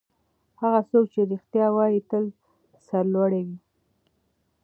هغه څوک چې رښتیا وايي تل سرلوړی وي.